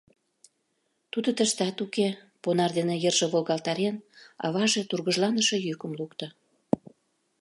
— Тудо тыштат уке, — понар дене йырже волгалтарен, аваже тургыжланыше йӱкым лукто.